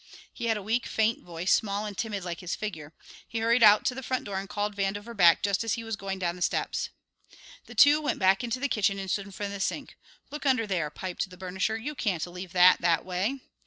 He had a weak, faint voice, small and timid like his figure. He hurried out to the front door and called Vandover back just as he was going down the steps. The two went back into the kitchen and stood in front of the sink. "Look under there!" piped the burnisher. "You can't leave that, that way."